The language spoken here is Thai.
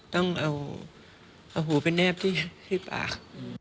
ต้องเอาหูไปแนบที่ปาก